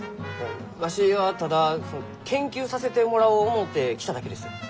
わしはただ研究させてもらおう思うて来ただけです。